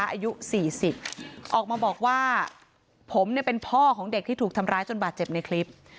อายุ๔๐ออกมาบอกว่าผมเนี่ยเป็นพ่อของเด็กที่ถูกทำร้ายจนบาดเจ็บในคลิป